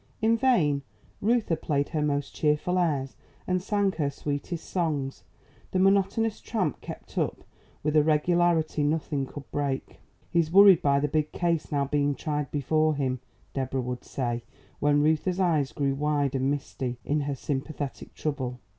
In vain Reuther played her most cheerful airs and sang her sweetest songs, the monotonous tramp kept up with a regularity nothing could break. "He's worried by the big case now being tried before him," Deborah would say, when Reuther's eyes grew wide and misty in her sympathetic trouble.